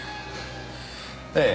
ええ。